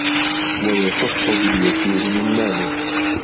وَيَشُحُّ بِالْيَسِيرِ مِنْ مَالِهِ